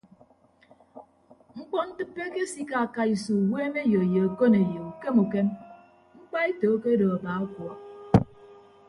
Mkpọntịppe akesikaaka iso uweemeyo ye okoneyo ukem ukem mkpaeto akedo aba ọkuọọk.